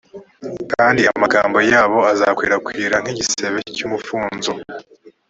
kandi amagambo yabo azakwirakwira nk’igisebe cy’umufunzo